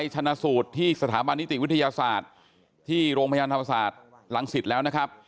ชนะสูตรที่สถาบันนิติวิทยาศาสตร์ที่โรงพยาบาลธรรมศาสตร์รังสิตแล้วนะครับ